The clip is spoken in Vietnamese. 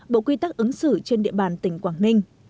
bộ quy tắc ứng xử trên địa bàn tỉnh quảng ninh